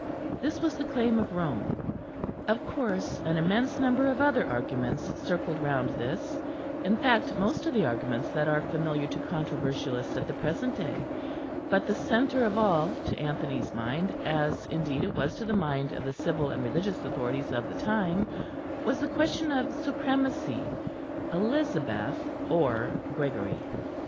This was the claim of Rome. Of course an immense number of other arguments circled round this in fact, most of the arguments that are familiar to controversialists at the present day; but the centre of all, to Anthony's mind, as indeed it was to the mind of the civil and religious authorities of the time, was the question of supremacy Elizabeth or Gregory?